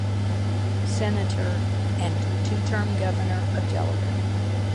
Senator and two-term governor of Delaware.